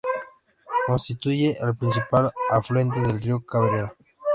Constituye el principal afluente del río Cabrera.